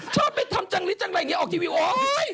ชอบไปทำจังนี้จังไรนี้ออกทีวีว่าโอ๊ย